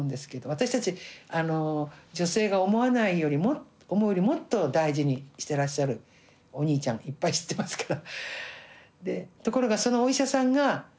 私たち女性が思うよりもっと大事にしてらっしゃるお兄ちゃんいっぱい知ってますから。